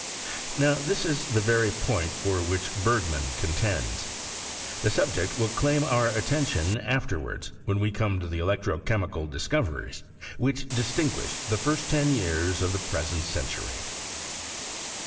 Now this is the very point for which Bergman con tends. The subject will claim our attention after wards, when we come to the electro chemical dis coveries, which distinguished the first ten years of the present century.